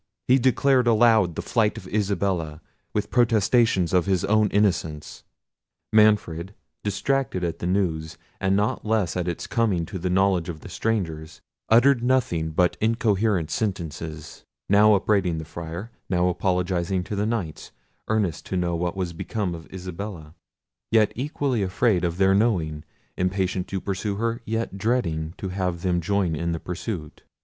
He declared aloud the flight of Isabella, with protestations of his own innocence. Manfred, distracted at the news, and not less at its coming to the knowledge of the strangers, uttered nothing but incoherent sentences, now upbraiding the Friar, now apologising to the Knights, earnest to know what was become of Isabella, yet equally afraid of their knowing; impatient to pursue her, yet dreading to have them join in the pursuit.